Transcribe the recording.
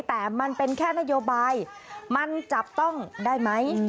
แต่มันเป็นแค่นโยบายมันจับต้องได้ไหม